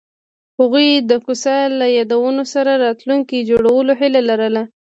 هغوی د کوڅه له یادونو سره راتلونکی جوړولو هیله لرله.